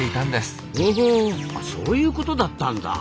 ほほうそういうことだったんだ。